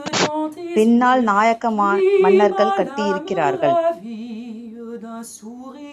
பின்னால் நாயக்க மன்னர்கள் கட்டியிருக்கிறார்கள்.